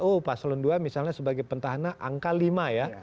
oh paslon ii misalnya sebagai pentahanah angka lima ya